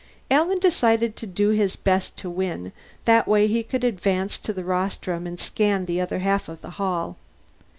Alan decided to do his best to win; that way he could advance to the rostrum and scan the other half of the hall.